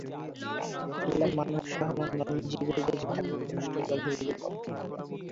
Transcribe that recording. ফলে মানুষসহ অন্যান্য জীবের বেঁচে থাকা কষ্টকর হয়ে যাবে।